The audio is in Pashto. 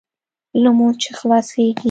لمونځ چې خلاصېږي.